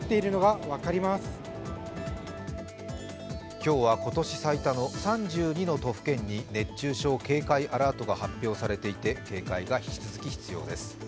今日は今年最多の３２の都府県に熱中症警戒アラートが発表されていて警戒が引き続き必要です。